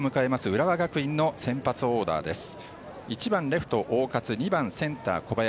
浦和学院の先発オーダーです。